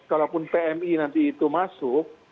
kalaupun pmi nanti itu masuk